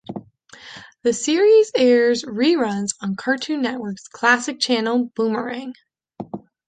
The series airs reruns on Cartoon Network's classics channel Boomerang.